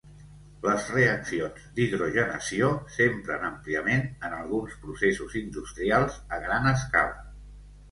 Les reaccions d'hidrogenació s'empren àmpliament en alguns processos industrials a gran escala.